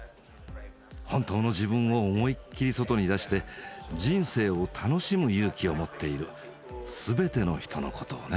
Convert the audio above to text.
本当の自分を思いっきり外に出して人生を楽しむ勇気を持っている全ての人のことをね。